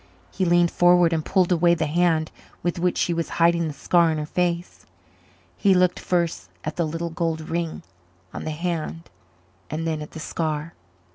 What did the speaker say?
He leaned forward and pulled away the hand with which she was hiding the scar on her face. He looked first at the little gold ring on the hand and then at the scar.